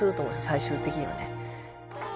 最終的にはね。